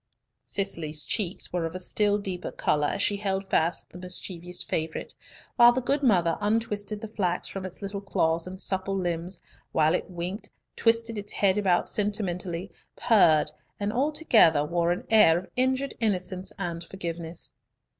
Cicely's cheeks were of a still deeper colour as she held fast the mischievous favourite, while the good mother untwisted the flax from its little claws and supple limbs, while it winked, twisted its head about sentimentally, purred, and altogether wore an air of injured innocence and forgiveness.